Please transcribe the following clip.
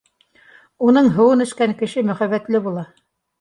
Уның һыуын эскән кеше мөхәббәтле була